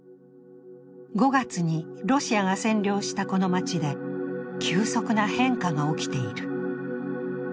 ５月にロシアが占領したこの街で急速な変化が起きている。